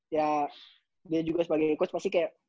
ya dia juga sebagai coach pasti kayak